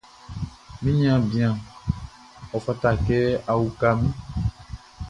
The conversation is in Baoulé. Mi niaan bian, ɔ fata kɛ a uka min.